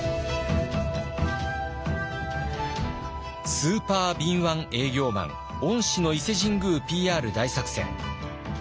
スーパー敏腕営業マン御師の伊勢神宮ＰＲ大作戦。